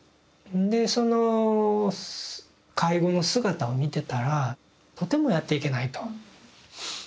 でその介護の姿を見てたらとてもやっていけないと。